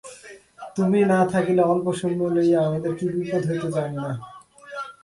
তুমি না থাকিলে অল্প সৈন্য লইয়া আমাদের কী বিপদ হইত জানি না।